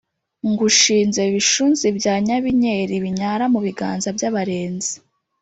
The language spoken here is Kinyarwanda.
ngushinze bishunzi bya nyabinyeli binyara mu biganza by'abarenzi